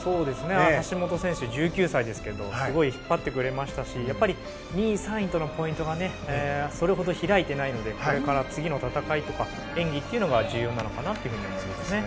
橋本選手、１９歳ですけどすごい引っ張ってくれましたし２位、３位とのポイントがそれほど開いてないのでこれから次の戦いとか演技というのが重要なのかなと思いますね。